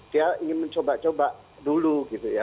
dia ingin mencoba coba dulu gitu ya